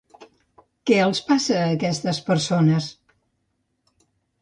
Què els passa a aquestes persones?